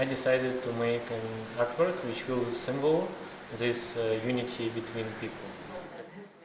jadi saya memutuskan untuk membuat karya karya yang akan membentuk keunikian antara orang